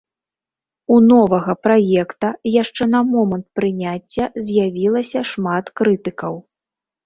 У новага праекта яшчэ на момант прыняцця з'явілася шмат крытыкаў.